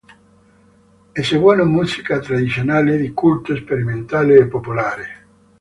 Eseguono musica tradizionale, di culto, sperimentale e popolare.